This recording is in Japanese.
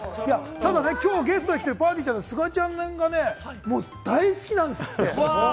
ただね、きょうゲストに来てる、ぱーてぃーちゃんのすがちゃんがね、大好きなんですって！